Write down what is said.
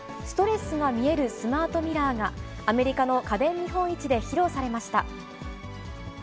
ストレスが見えるスマートミラーが、アメリカの家電見本市で披露されました。